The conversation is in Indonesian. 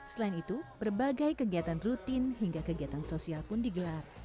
selain itu berbagai kegiatan rutin hingga kegiatan sosial pun digelar